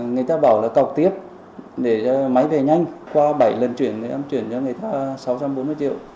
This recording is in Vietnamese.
người ta bảo là cọc tiếp để máy về nhanh qua bảy lần chuyển thì em chuyển cho người ta sáu trăm bốn mươi triệu